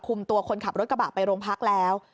ตัวคนขับรถกระบะไปโรงพักแล้ว